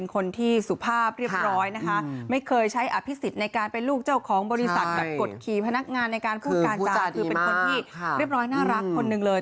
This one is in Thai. กฎขีพนักงานในการพูดการจาคือเป็นคนที่เรียบร้อยน่ารักคนหนึ่งเลย